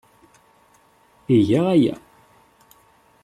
Iga aya.